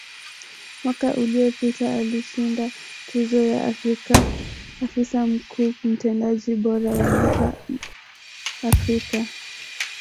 Mwaka uliopita alishinda tuzo ya Afisa Mkuu Mtendaji bora wa Mwaka Afrika